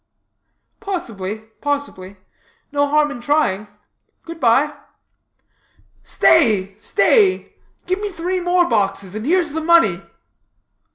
"Possibly, possibly; no harm in trying. Good bye." "Stay, stay; give me three more boxes, and here's the money."